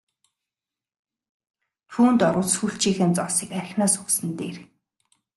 Түүнд орвол сүүлчийнхээ зоосыг архинаас өгсөн нь дээр!